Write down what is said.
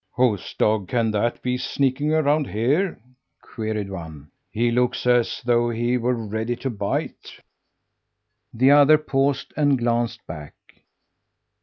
"Whose dog can that be sneaking around here?" queried one. "He looks as though he were ready to bite." The other paused and glanced back.